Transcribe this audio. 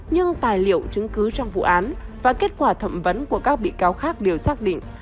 nhưng tài liệu chứng cứ trong vụ án và kết quả thẩm vấn của các bị cáo khác đều xác định